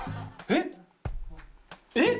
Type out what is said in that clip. えっ！？えっ！？